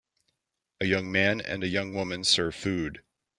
A young man and a young woman serve food